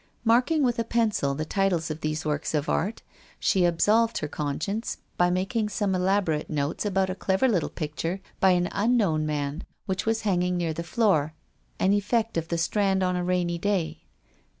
Marking with a pencil the titles of these works of art, she then absolved her conscience by making some elaborate notes about a clever little picture by an unknown man, which was hanging near the floor, an effect of the Strand on a rainy day.